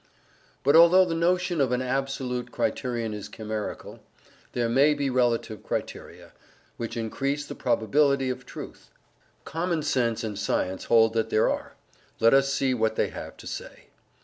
But although the notion of an absolute criterion is chimerical, there may be relative criteria, which increase the probability of truth. Common sense and science hold that there are. Let us see what they have to say.